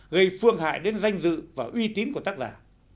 gây phương hại đến danh dự và uy tín của tác giả